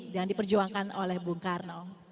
diperjuangkan oleh bung karno